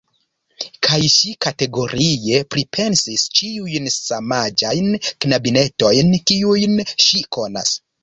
Kaj ŝi kategorie pripensis ĉiujn samaĝajn knabinetojn kiujn ŝi konas.